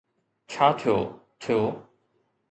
ڇا ٿيو، ٿيو.